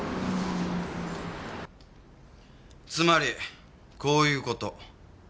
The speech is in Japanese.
つまりこういう事。